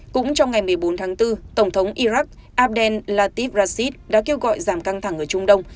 cũng trong ngày một mươi bốn tháng bốn tổng thống iraq abdel lativ racis đã kêu gọi giảm căng thẳng ở trung đông